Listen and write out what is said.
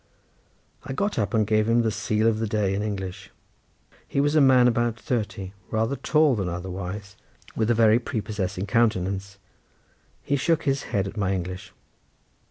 I got up and gave him the sele of the day in English. He was a man about thirty, rather tall than otherwise, with a very prepossessing countenance. He shook his head at my English.